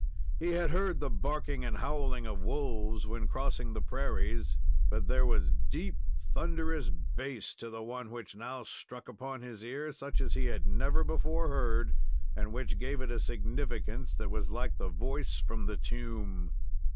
He had heard the barking and howling of wolves when crossing the prairies, but there was deep, thunderous bass to the one which now struck upon his ear such as he had never before heard, and which gave it a significance that was like a voice from the tomb.